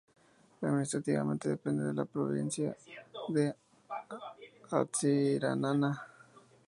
Administrativamente depende de la Provincia de Antsiranana.